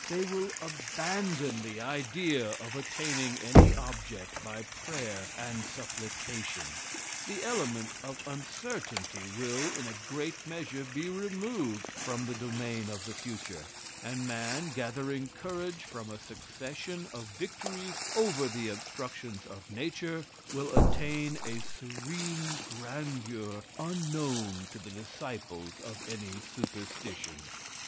They will abandon the idea of attaining any object by prayer and supplication. The element of uncertainty will, in a great measure, be removed from the domain of the future, and man, gathering courage from a succession of victories over the obstructions of nature, will attain a serene grandeur unknown to the disciples of any superstition.